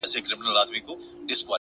د پوهې ارزښت په کارولو کې دی